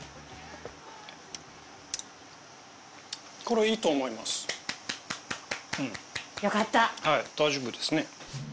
はい大丈夫ですね。